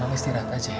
mama istirahat aja ya